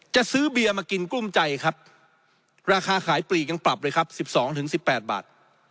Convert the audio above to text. จะซื้อเบียร์มากินกลุ้มใจครับราคาขายปลีกยังปรับเลยครับ๑๒๑๘บาท